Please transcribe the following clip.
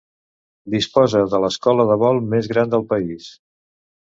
Disposa de l'escola de vol més gran del país.